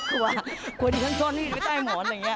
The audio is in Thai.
เขาก็ดีจังช่วงนี้ไปใต้หมอนอะไรอย่างนี้